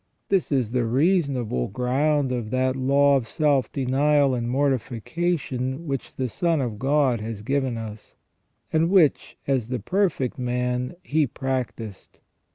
This is the reason able ground of that law of self denial and mortification which the Son of God has given us, and which as the perfect man He prac tised.